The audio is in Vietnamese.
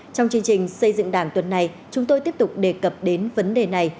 trong chương trình xây dựng đảng tuần này chúng tôi tiếp tục đề cập đến vấn đề này